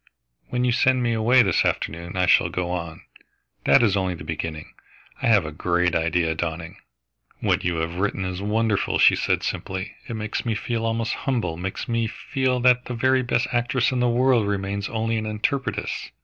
When you send me away this afternoon, I shall go on. That is only the beginning. I have a great idea dawning." "What you have written is wonderful," she said simply. "It makes me feel almost humble, makes me feel that the very best actress in the world remains only an interpretress.